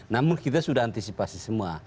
namun kita sudah antisipasi semua